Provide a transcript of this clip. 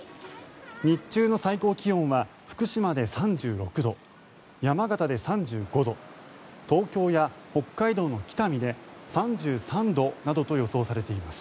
日中の最高気温は福島で３６度山形で３５度東京や北海道の北見で３３度などと予想されています。